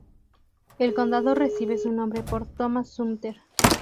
El condado recibe su nombre por Thomas Sumter.